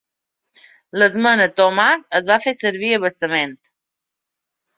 L'esmena Thomas es va fer servir abastament.